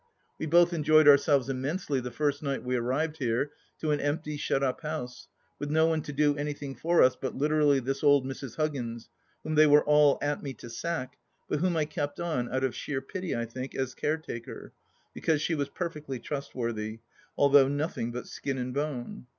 We both enjoyed ourselves immensely the first night we arrived here to an empty, shut up house, with no one to do anything for us but literally this old Mrs. Huggins, whom they were all at me to sack, but whom I kept on — out of sheer pity, I think — ^as caretaker, because she was perfectly trustworthy, although nothing but skin and bone.